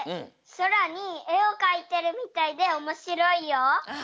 そらにえをかいてるみたいでおもしろいよ。